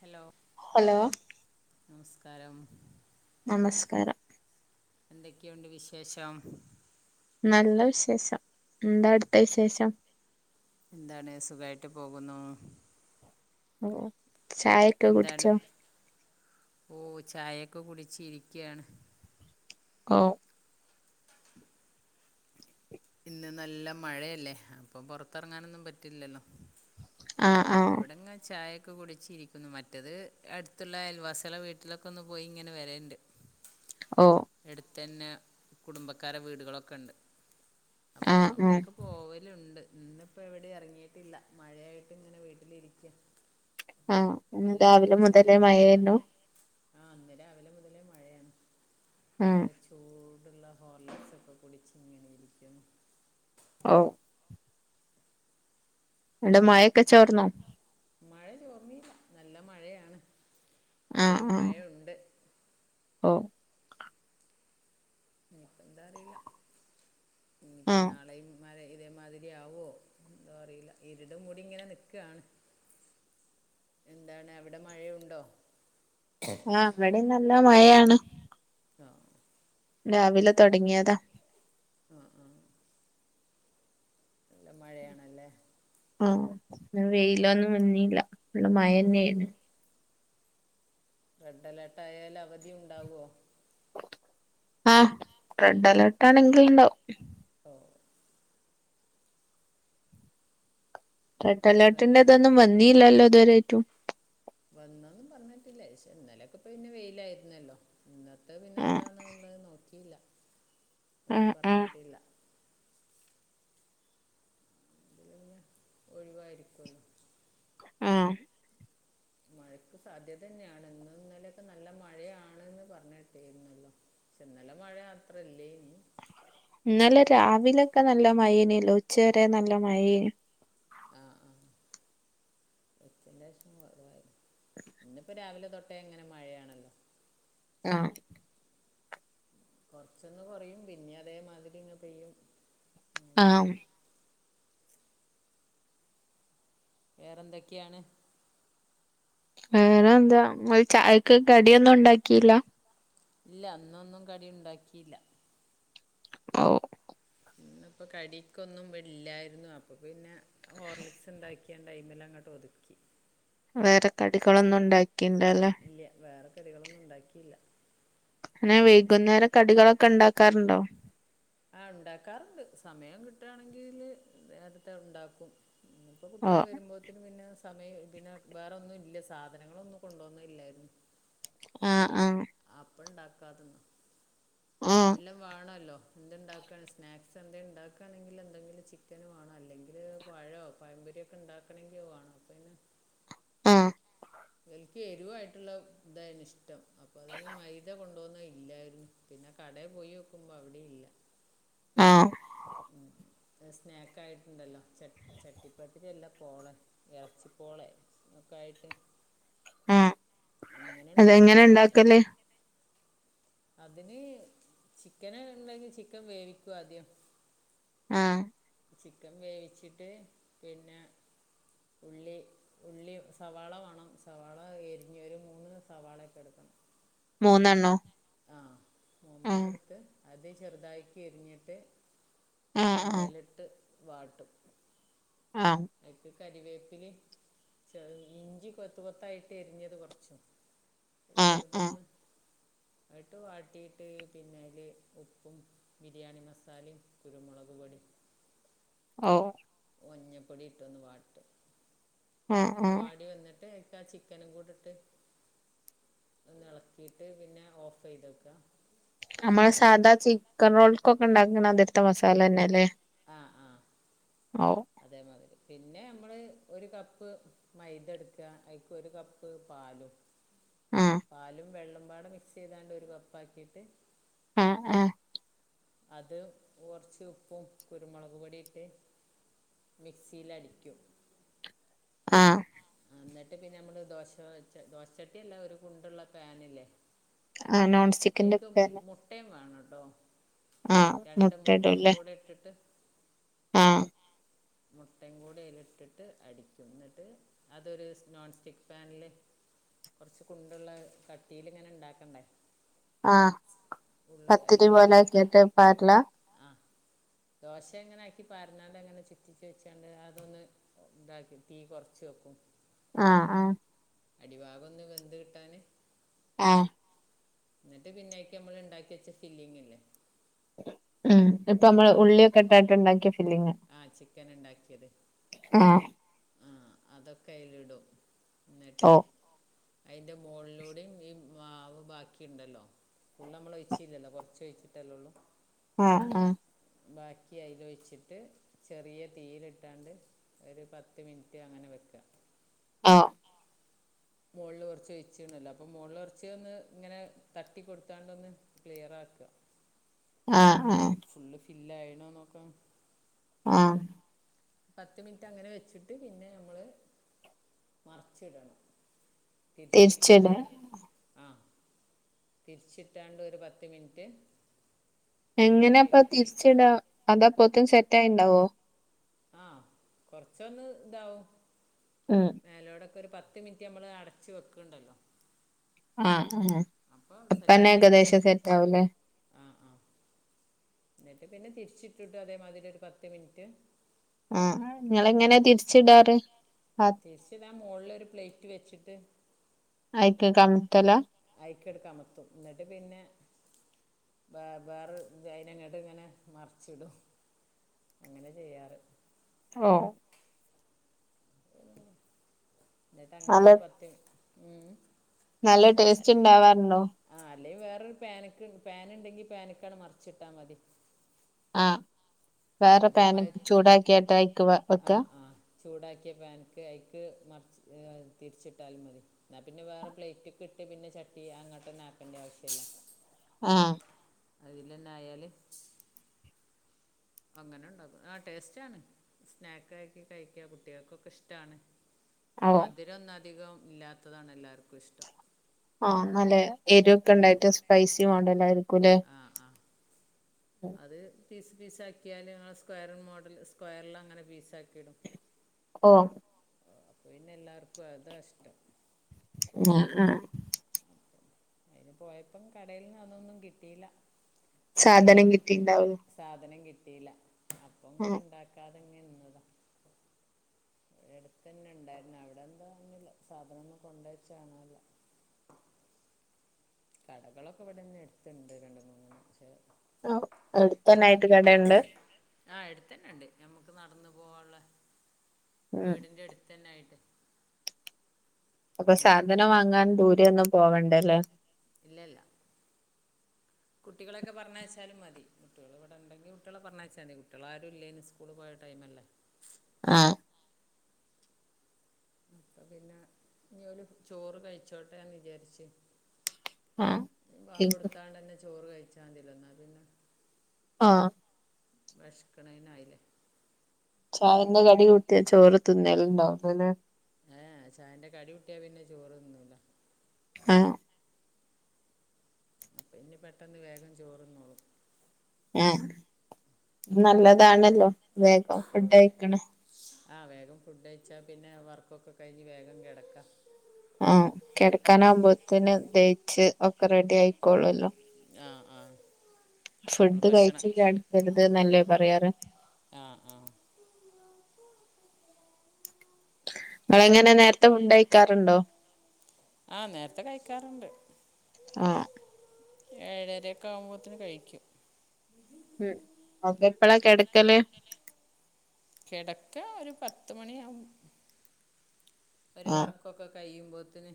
hello hello നമസ്കാരം നമസ്കാരം എന്തൊക്കെയുണ്ട് വിശേഷം നല്ല വിശേഷം എന്താ അവിടുത്തെ വിശേഷം എന്താണ് സുഖായിട്ട് പോകുന്നു ഓ ചായൊക്കെ എന്താണ് കുടിച്ചോ ഓ ചായൊക്കെ കുടിച്ച് ഇരിക്കയാണ് ഓ ഇന്ന് നല്ല മഴയല്ലേ അപ്പൊ പൊറത്തിറങ്ങാനൊന്നും പറ്റില്ലല്ലോ ആഹ് അപ്പൊ ആഹ് ഇവിടങ്ങ് ചായ ഒക്കെ കുടിച്ചിരിക്കുന്നു മറ്റത് അടുത്തുള്ള അൽവാസികളെ വീട്ടിലൊക്കെ ഒന്ന് പോയി ഇങ്ങനെ വരണ്ട് ഓ തന്നെ കുടുംബക്കാരടെ വീടുകളൊക്കെ ഉണ്ട് അപ്പൊ ആഹ് ആഹ് അവിടൊക്കെ പോവലുണ്ട് ഇന്നിപ്പോ എവിടേം ഇറങ്ങീട്ടില്ല മഴയായിട്ട് ഇങ്ങനെ വീട്ടിലിരിക്കാ ആഹ് ഇന്ന് രാവിലെ മുതലേ മഴയാന്നു ആ ഇന്ന് രാവിലെ മുതലേ മഴയാണ് ആഹ് നല്ല ചൂടുള്ള ഹോർലിക്സ് ഒക്കെ കുടിച്ച് ഇങ്ങനെ ഇരിക്കുന്നു ഓ അടെ മഴൊക്കെ ചോർന്നോ മഴ ചോർന്നില്ല നല്ല മഴയാണ് ആഹ് ഇപ്പഴും ആഹ് മഴയുണ്ട് ഓ ഇനിയിപ്പൊ എന്താ അറിയില്ല ഇനിയിപ്പൊ ആഹ് നാളെയും മ ഇതേമാതിരിയാവോ എന്തോ അറീല ഇരുട് മുടിങ്ങനെ നിക്കാണ് എന്താണ് അവിടെ മഴയുണ്ടോ ആ ഇവിടിം നല്ല മഴയാണ് ആ രാവിലെ തൊടങ്ങ്യേതാ ആ ആ നല്ല മഴയാണല്ലേ ആ വെയിലൊന്നും വന്നീല്ല ഫുള്ള് ഓ മയന്നേണ് റെഡ് അലേർട്ട് ആയാൽ അവധി ഉണ്ടാവോ ആ റെഡ് അലേർട്ട് ആണെങ്കിൽണ്ടാവും ഓ റെഡ് വേറെ അലേർട്ടിന്റെതൊന്നും വന്നീല്ലല്ലോ ഇതുവരെയ്റ്റും വന്നാെന്നും പറഞ്ഞേട്ട്ല്ല ക്ഷെ ഇന്നലൊക്കെ ഇപ്പ പിന്നെ വെയ്ലായ്ര്ന്നല്ലോ ഇന്നത്തെ ആഹ് പിന്നെന്താണ്ള്ളെ നോക്കീല്ല ഒന്നും ആഹ് ആഹ് പറഞ്ഞേട്ടില്ല അത് പിന്നെ ഒഴിവായ്രിക്കൊല്ലോ ആ മഴക്ക് സാധ്യതന്നേണ് ഇന്നും ഇന്നലെയൊക്കെ നല്ല മഴയാണ്ന്ന് പറഞ്ഞേട്ടീര്ന്നല്ലോ ഇന്നലെ മഴ അത്രല്ലേനി ഇന്നലെ രാവിലൊക്കെ നല്ല മയേന്യെല്ലോ ഉച്ചവരെ നല്ല മയേനി ആ ആ ഉച്ചന്റെ ശേഷം കൊറവായിര് ഇന്നിപ്പോ രാവിലെ തൊട്ടേ ങ്ങനെ മഴയാണല്ലോ ആ കൊറച്ചൊന്ന് കൊറയും പിന്നിം അതേമാതിരിങ്ങ് പെയ്യും ആം മഴയാണ് വേറെന്തൊക്കെയാണ് വേറെ എന്താ ഇങ്ങള് ചായക്ക് കടിയൊന്നുംണ്ടാക്കിയില്ല ഇല്ല ന്നൊന്നും കടി ഉണ്ടാക്കിയില്ല ഓ ഇന്ന്പ്പ കടിക്കൊന്നും വടില്ലായ്ര്ന്നു അപ്പോ പിന്നെ ഹോർലിക്സ്ണ്ടാക്കിയാണ്ട് അയ്മലങ്ങട്ടൊ ഒതുക്കി വേറെ കടികളൊന്നുംണ്ടാക്കിണ്ടല്ലെ കടികളൊന്നുംണ്ടാക്കീല്ല അനെ വൈകുന്നേരം കടികളൊക്കെ ണ്ടാക്കാറ്ണ്ടോ ആ ണ്ടാക്കാറ്ണ്ട് സമയം കിട്ടാണെങ്കില് നേരത്തെ ഉണ്ടാക്കും ഇപ്പോ ഓ കുട്ട്യൾ വരുമ്പോത്ത്ന് പിന്നെ സമയം പിന്നെ ബേറൊന്നും ഇല്ല സാധനങ്ങളൊന്നും കൊണ്ടോന്നെല്ലായ്രുന്നു ആ ആ അപ്പണ്ടാക്കാതന്ന ആഹ് എല്ലം വാണല്ലോ എന്ത്ണ്ടാക്കാണെ സ്നാക്സ് എന്തേംണ്ടാക്കാണെങ്കില് എന്തെങ്കിലും ചിക്കന് വാണം അല്ലെങ്കില് പഴോ പഴം പാെര്യാെക്കെണ്ടാക്കണെങ്കി അത് വാണം അപ്പൊ പിന്നെ ആ ഇൻക്ക് എരിവായിട്ട്ള്ള ഇതായ്ന് ഇഷ്ടം അപ്പൊ അതിന് മൈദ കൊണ്ട ണ്ടോന്നെല്ലായ്ര്ന്നു പിന്നെ കടേ പോയാേക്കുമ്പോ അവിടി ഇല്ല ആ ഉം സ്നാക്കായിട്ട്ണ്ടല്ലോ ച ചട്ടിപ്പത്തിരി അ പോളെ ഇറച്ചി പോളെ ഒക്കായ്ട്ട് ആ ഉണ്ടാക്കാറുണ്ട് അതെങ്ങനെണ്ടാക്കല് അതിന് ചിക്കന്ണ്ടെങ്കി ചിക്കൻ വേവിക്കും ആദ്യം ആ ചിക്കൻ വേവിച്ചിട്ട് പിന്നെ ഉള്ളി ഉള്ളി സവാള വേണം സവാള എരിഞ്ഞൊരു മൂന്ന് സവാള ഒക്കെ എടുക്കണം മൂന്നെണ്ണോ ആഹ് ആഹ് മൂന്നണ്ണട്ത്ത് അത് ചെറുതായിക്ക് എരിഞ്ഞിട്ട് ആഹ് ആഹ് എണ്ണയിലിട്ട് വാട്ടും ആഹ് കരിവേപ്പിലിം ഇഞ്ചി കൊത്ത് കൊത്തായിട്ട് എരിഞ്ഞത് കുറച്ചും ആഹ് ആഹ് ചെറുതൊന്ന് ആട്ട് വാട്ടിയിട്ട് പിന്നെല് ഉപ്പും ബിരിയാണി മസാലയും കുരുമുളക പടി [inaudible] ഓ മഞ്ഞപ്പൊടി ഇട്ടൊന്ന് വാട്ടിട്ട് ആഹ് അങ്ങ് ആഹ് വാടി വന്നിട്ട് ചിക്കനും കൂടിട്ട് ഒന്ന് ഇളക്കിട്ട് പിന്നെ ഓഫ് ചെയ്തെക്കാ നമ്മള് സാധാ ചിക്കൻ റോൾക്കൊക്കെ ഉണ്ടാക്കണ അതിടുത്തെ മസാല തന്നെ അല്ലേ ആഹ ആഹ് അതേമാതിരി പിന്നെ നമ്മള് ഒരു കപ്പ് മൈദ എടുക്കുക അക്ക് ഒരു കപ്പ് പാലും ആഹ് പാലും വെള്ളംമ്പാട മിക്സ് ചെയ്താണ്ട് ഒരു കപ്പാക്കിയിട്ട് ആഹ് ആഹ് അത് കുറച്ച് ഉപ്പും കുരുമുളക് പൊടിയിട്ട് മിക്സിയിലടിക്കും ആഹ് എന്നിട്ട് പിന്നെ നമ്മള് ദോശ ദോശച്ചട്ടിയല്ല ഒരു കുണ്ടുള്ള പാനല്ലേ ആ നോൺ സ്റ്റിക്കിന്റെ പേന്നെ വേണം കേട്ടോ രണ്ട് മുട്ടയും മുട്ടയിടുംല്ലേ കൂടെ ഇട്ടിട്ട് ആഹ് മുട്ടയും കൂടി അതില് ഇട്ടിട്ട് അടിക്ക എന്നിട്ട് അതൊരു നോൺസ്റ്റിക്ക് പാനില് കൊറച്ച കുണ്ടുള്ള കട്ടീല് ഇങ്ങനെ ഉണ്ടാക്കണ്ടേ ആഹ് ഉള്ളു അതിൽ പത്തിരി പാർ പോലെ [unintelligible] ആ ദോശ എങ്ങനെ ആക്കി പറഞ്ഞാണ്ട് എങ്ങനെ ചുറ്റി വെച്ചാണ്ട് അതൊന്ന് ഉണ്ടാക്കി തീ കൊറച്ചു വെക്കും ആ ആ അടിഭാഗൊന്നു വെന്ത് കിട്ടാന് ആഹ് എന്നിട്ട് പിന്നേക്ക് നമ്മള് ഉണ്ടാക്കി വെച്ച ഫില്ലിങ്ങില്ലേ ഉം ഇപ്പ നമ്മള് ഉള്ളിക്കെ ഇട്ടായിട്ട് ഉണ്ടാക്കി ആഹ് ചിക്കൻ ഉണ്ടാക്കിയത് ആഹ് ആ അതൊക്കെ അതില് ഇടും ഓ അയിന്റെ മോളിലൂടെയും ഈ മാവ് ബാക്കിണ്ടല്ലോ ഫുള് നമ്മള് ഒഴിച്ചില്ലല്ലോ കൊറച്ചു ഒഴിച്ചിട്ടല്ലേ ഉള്ളൂ ആ ആ ബാക്കിയായി ആയിലോയിച്ചി ചെറിയ തീയിലിട്ടാണ്ട് ഒരു പത്ത് മിനിറ്റ് അങ്ങനെ വെക്കുക ആ മോളിൽ കുറച്ച് ഒഴിചീനല്ലോ അപ്പൊ മുകളിൽ കൊറച്ച് ഒന്ന് ഇങ്ങനെ തട്ടി കൊടുത്താണ്ട് ഒന്ന് ക്ലിയർ ആക്കുക [inaudible] ആ ഇല്ല അയിനോ നോക്കാം ആഹ് പത്ത് മിനിറ്റ് അങ്ങനെ വെച്ചിട്ട് പിന്നെ നമ്മള് മറിച്ചിടണം തിരിച്ചിടാ തിരിച്ചിട്ടാണ്ടരു ആഹ് തിരിച്ചിട്ടാണ്ട് ഒരു പത്ത് മിനിറ്റ് അങ്ങനെ എങ്ങനെ അപ്പ വേവും തിരിച്ചട അതപ്പൊത്തും സെറ്റ് ആയിണ്ടാവോ ആഹ് കൊറച്ചൊന്ന് താവും ഉം പ്പ ഒര് പത്ത് മിനിറ്റ് നമ്മള് അടച്ച് വെക്ക്ണ്ടല്ലോ ആഹ് ആ അപ്പന്നെ ഏകദേശം സെറ്റ് ആവൂലേ ആ ആ എന്നിട്ട് പിന്നെ തിരിച്ചിട്ടുണ്ട് അതേമാതിരി ഒരു പത്ത് മിൻറ്റ് ആഹ് നിങ്ങള് എങ്ങനെയാ തിരിച്ച് ഇടാറ് തിരിച്ചിടാൻ മോളിലൊരു പ്ലേറ്റ് വെച്ചിട്ട് അയ്ക്ക് കമത്തലാ അയ്ക്കെട് കമത്തും ന്നിട്ട് പിന്നെ വേ വേറെ ജൈനങ്ങട്ട് ഇങ്ങനെ മറിച്ചിടും അങ്ങനെ ചെയ്യാറ് ഓഹ് എന്നിട്ട് അങ്ങനെയു നല്ല ഒരു പത്ത് മിൻ നല്ല ടേസ്റ്റ് ഇണ്ടവാറുണ്ടോ അല്ലെങ്കി വേറൊരു പാനിക്ക് പാൻ ഇണ്ടെങ്കി പാന്ക്കട് മറിച്ചിട്ടാ മതി ആഹ് വേറെ പാന് അതേമാതി ചൂടാക്കിയാട്ട് അയ്ക്ക് ആ വെക്ക്അ ആ ചൂടാക്കിയ പാനിക്ക് അതിക്ക് മറിച്ച് തിരിച്ചിട്ടാലും മതി ന്നാ പിന്നെ വേറെ പ്ലേറ്റ്ക്ക് ഇ ട്ട് പിന്നെ ചട്ടി അങ്ങട്ടെന്നാക്കണ്ട്യ ആവശ്യല്ല ആഹ് അതിലെന്നെ ആയാല് അങ്ങനെ ഉണ്ടാകും ആ ടേസ്റ്റ് ആണ് സ്നാക്ക് ആക്കി കഴിക്കാൻ കുട്ടികൾക്കൊക്കെ ഇഷ്ടാണ് അതെ മധുരൊന്നധികം ഇല്ലാത്തതാണ് എല്ലാർക്കും ഇഷ്ടം ആഹ് നല്ല എരിവൊക്കെ ഇണ്ടായിട്ട് സ്പൈസി മോഡൽ ആയിരി ക്കൂലേ ആ ആ അത് പീസ് പീസ് ആക്കിയാല് ഞങ്ങൾ സ്ക്വൊയർ മോഡൽ സ്ക്വൊയർലങ്ങനെ പീസാക്കിടും ഓഹ് അപ്പൊ പിന്നെ എല്ലാർക്കും അതാ ഇഷ്ടം ആ ആ അയിന് പോയപ്പം കടയിൽന്ന് അതൊന്നും കിട്ടിയില്ല സാധനം കിട്ടിണ്ടാവോ യില്ല ആഹ് പങ്ങനെ നിന്നതാ എട്തെ തെന്നെ ഇണ്ടായ്ര്ന്നു അവിടെ എന്താന്നർഞ്ഞ്ല സാധനൊന്നും കൊണ്ടേച്ച കാണാല്ല കടകളൊക്കെ ഇവിടെ ന്നെ എട്ത്തിണ്ട് രണ്ട് മൂന്നെണ്ണം പക്ഷെ ആ അടുത്തെന്നെ ആയിട്ട് കടെണ്ട് തന്നെണ്ട് ഞമ്മക്ക് നടന്ന് പോകാൻള്ളെ ഉം വീടിന്റെ അട്ത്തെന്നായിട്ട് അപ്പൊ സാധനം വാങ്ങാൻ ദൂരെ ഒന്നും പോവണ്ട ല്ലേ ഇല്ലല്ല കുട്ടികളൊക്കെ പറഞ്ഞയച്ചാലും മതി കുട്ടികൾ ഇവിടെ ഉണ്ടെങ്കി കുട്ടികളെ പറഞ്ഞയച്ചാ മതി കുട്ടികള് ആാരും ഇല്ലേനി സ്കൂള് പോയ ടൈം മല്ലേ ആഹ് അപ്പൊ പിന്നെ ഇഞ്ഞ് ഓല് ചോറ് കഴിച്ചോട്ടെ ന്ന് വിചാരിച്ച് ആഹ് ബാങ്കൊട്ത്താണ്ടെന്നെ ചോറ് കഴിച്ചാ മതിയല്ലോ ന്നാ പിന്നെ ആഹ് വെശ്ക്ക്ണേനായിലേ ചായെന്നെ കടി കൂട്ടിയ ചോറ് തിന്നല് ണ്ടാവൂലല്ലെ ഏ എ ചായന്റെ കടി കൂട്ടിയാ പിന്നെ ചോറ്ന്നൂല്ല ആഹ് അപ്പൊ ഇനി പെട്ടെന്ന് വേഗം ചോറ്ന്നോളും ആ നല്ലതാണല്ലോ വേഗം ഓ ഫുഡ്കഴിക്കണ ആ വേഗംഫുഡ് കയിച്ചാ പിന്നെ വർക്കൊക്കെകഴിഞ്ഞ് വേഗംകിടക്കാം ആ കെടക്കാനാകുമ്പോത്തേന് ദയിച്ച് ഒക്കെ റെഡിയായിക്കോളൂല്ലോ ആ ആ നമ്മൾ ഫുഡ് ഭക്ഷണം കഴിച്ചില്ലാടക്കരുത് ന്നല്ലേപറയാറ് ആ [unintelligible] നിങ്ങ എങ്ങനെ നേരത്തെ ഫുഡ്കഴിക്കാറുണ്ടോ ആ നേരത്തെ കഴിക്കാറുണ്ട് ആഹ് ഏഴരയൊക്കെ ആവുമ്പോത്തേന് കഴിക്കും ഉം ഓകെ എപ്പഴാ കെടക്കല് കിടക്ക ഒരു പത്ത മണിാവ ഒ ആഹ് വർക്കൊക്കെ കഴിയും വെറുതനെ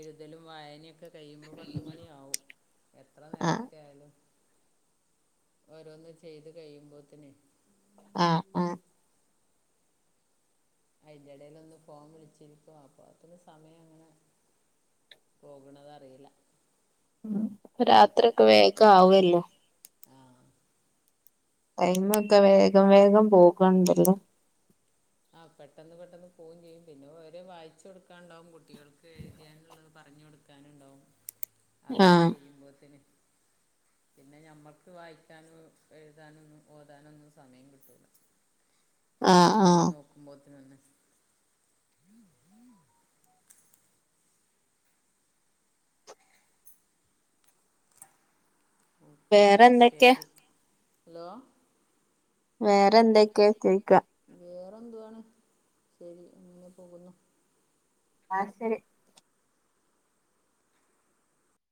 എഴുതലും വായനയുമൊക്കെ കഴിയുമ്പോ പത്തുമണിയാവും ആഹ് എത്രനേരത്തെ ആയാലും ഓരോന്ന് ചെയ്തു കഴിയുമ്പോത്തന് ആ ആ അയിൻറ്റിടയിലൊന്ന് ഫോം വിളിച്ചിരിക്കുവാ അപ്പൊ അത്രന് സമയം അങ്ങനെ പോകണതറിയില്ല ഉം രാത്രിക്ക വേഗം ആവല്ലോ ആഹ് ടൈമൊക്കെ വേഗം വേഗം പോകാണ്ടല്ലോ ആ പെട്ടെന്ന് പെട്ടെന്ന് പോകുംചെയ്യും പിന്നെ ഓര് വായിച്ചു കൊടുക്കാണ്ടാവും കുട്ടികൾക്ക് എഴുതിയാനുള്ളത് പറഞ്ഞ പറഞ്ഞു കൊടുക്കാനുണ്ടാവും അതൊക്കെ ആഹ് ചെയ്യുമ്പോത്തേന് പിന്നെ ഞമ്മക്ക് വായിക്കാനും എഴുതാനൊന്നും ഓതാനൊന്നും സമയംകിട്ടൂല്ല ആഹ് ഓല ആഹ് നോക്കുമ്പോത്തിന് വന്നെ ഓക്കെ വേറെന്തൊക്കെയാ ശരി ഹലോ വേറെന്തെക്കെയാ ചൊയ്ക്ക വേറെ എന്തുവാണ് ശെരി ങ്ങനെ പോകുന്നു ആഹ് ശെരി